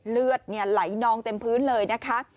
เลือดไหลนองเต็มพื้นเลยนะคะ